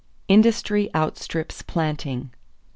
=Industry Outstrips Planting.